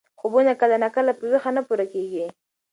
خوبونه کله ناکله په ویښه نه پوره کېږي.